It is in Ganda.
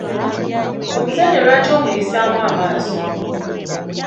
Omuzadde lwaki omuyisaamu amaaso?